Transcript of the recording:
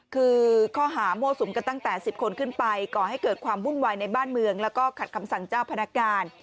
คือข้อหามั่วสุมกันตั้งแต่๑๐คนขึ้นไปก่อให้เกิดความวุ่นวายในบ้านเมืองแล้วก็ขัดคำสั่งเจ้าพนักงาน